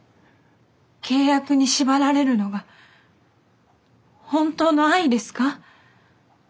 契約に縛られるのが本当の愛ですか？